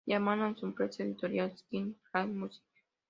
Llamaron a su empresa editorial Skin Trade Music Ltd.